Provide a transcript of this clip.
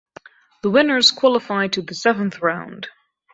The winners qualify to the Seventh Round.